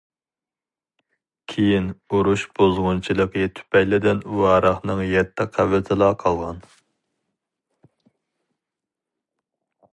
كېيىن ئۇرۇش بۇزغۇنچىلىقى تۈپەيلىدىن راۋاقنىڭ يەتتە قەۋىتىلا قالغان.